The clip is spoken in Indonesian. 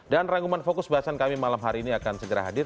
dan rangkuman fokus bahasan kami malam hari ini akan segera hadir